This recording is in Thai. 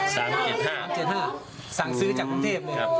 สั่งซื้อจากกรุงเทพเลยครับ